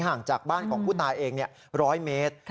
ห่างจากบ้านของผู้ตายเอง๑๐๐เมตร